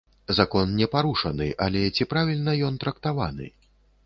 Закон не парушаны, але ці правільна ён трактаваны?